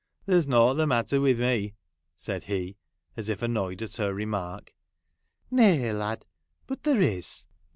' There 's nought the matter with me,' said he, as if annoyed at her remark. ' Nay, lad, but there is.'